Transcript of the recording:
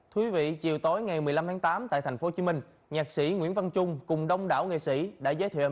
thưa quý vị chiều tối ngày một mươi năm tháng tám tại thành phố hồ chí minh nhạc sĩ nguyễn văn trung cùng đông đảo nghệ sĩ đã giới thiệu album